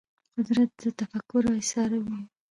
قدرت تفکر ایساروي